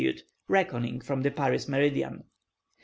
reckoning from the Paris meridian.